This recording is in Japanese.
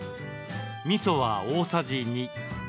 みそは大さじ２。